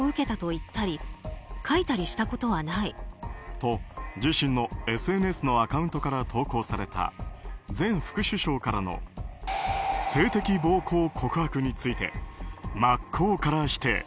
と、自身のＳＮＳのアカウントから投稿された前副首相からの性的暴行告白について真っ向から否定。